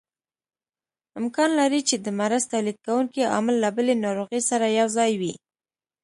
امکان لري چې د مرض تولید کوونکی عامل له بلې ناروغۍ سره یوځای وي.